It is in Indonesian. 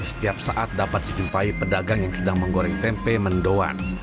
setiap saat dapat dijumpai pedagang yang sedang menggoreng tempe mendoan